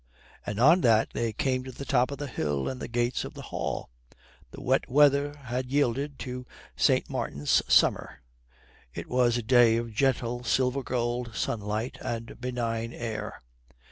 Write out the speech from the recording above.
And on that they came to the top of the hill and the gates of the Hall. The wet weather had yielded to St. Martin's summer. It was a day of gentle silver gold sunlight and benign air.